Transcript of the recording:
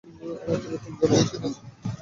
আমার টিমের তিনজন আমার সাথেই ছিলো।